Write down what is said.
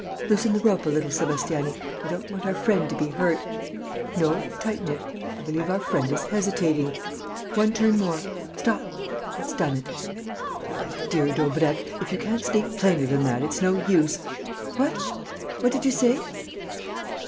Loosen the rope a little, Sébastiani: I don't want our friend to be hurt.... No, tighten it: I believe our friend is hesitating.... One turn more ... stop!... That's done it! Oh, my dear Daubrecq, if you can't speak plainer than that, it's no use! What? What did you say?"